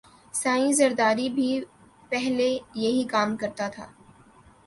سائیں زرداری بھی پہلے یہئ کام کرتا تھا